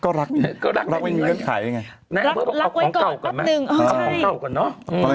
ก็รักรักไม่มีเงื่อนไขยังไงนายอำเภอก็ว่าเอาของเก่าก่อนแม่เอาของเก่าก่อนเนอะ